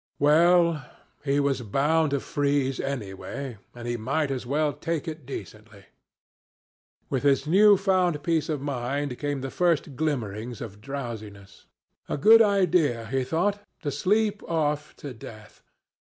Well, he was bound to freeze anyway, and he might as well take it decently. With this new found peace of mind came the first glimmerings of drowsiness. A good idea, he thought, to sleep off to death.